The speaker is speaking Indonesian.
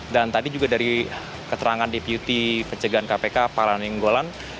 dan tadi juga dari keterangan deputi pencegahan kpk pak lanenggolan